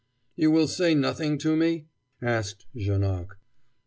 "You will say nothing to me?" asked Janoc.